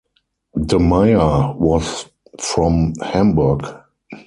DeMayer was from Hamburg.